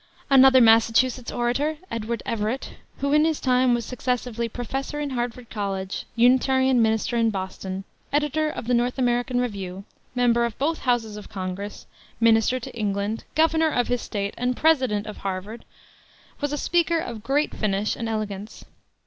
Another Massachusetts orator, Edward Everett, who in his time was successively professor in Harvard College, Unitarian minister in Boston, editor of the North American Review, member of both houses of Congress, Minister to England, Governor of his State, and President of Harvard, was a speaker of great finish and elegance.